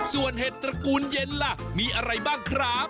ส่วนเห็ดตระกูลเย็นล่ะมีอะไรบ้างครับ